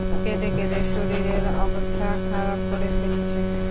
কেঁদে কেঁদে শরীরের অবস্থা খারাপ করে ফেলেছে।